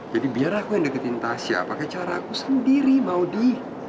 jadi biar aku yang deketin tasya pakai cara aku sendiri maudie